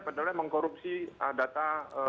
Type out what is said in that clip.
padahal mengkorupsi data